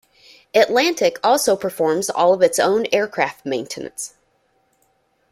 Atlantic also performs all of its own aircraft maintenance.